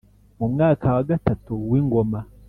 Mu mwaka wa gatatu w ingoma